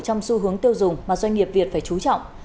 trong xu hướng tiêu dùng mà doanh nghiệp việt phải trú trọng